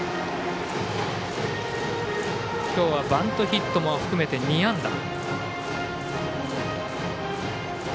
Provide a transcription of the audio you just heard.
今日はバントヒットも含めて２安打。